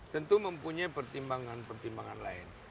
tentu mempunyai pertimbangan pertimbangan lain